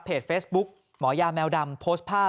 เฟซบุ๊กหมอยาแมวดำโพสต์ภาพ